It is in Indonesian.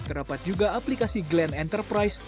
terdapat juga aplikasi glenn enterprise